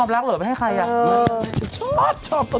กล่าวไซค์ไทยสดค่ะ